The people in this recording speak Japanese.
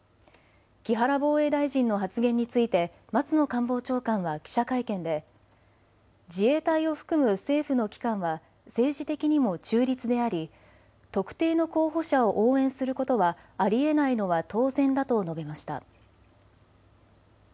木原防衛大臣の発言について松野官房長官は記者会見で自衛隊を含む政府の機関は政治的にも中立であり、特定の候補者を応援することはありえないのは当然だと述べました。